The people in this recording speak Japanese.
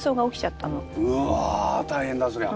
うわ大変だそりゃ。